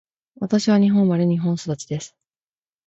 私は日本生まれ、日本育ちです。